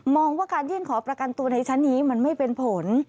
ว่าการยื่นขอประกันตัวในชั้นนี้มันไม่เป็นผล